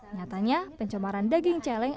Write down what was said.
nyatanya pencomaran daging celeng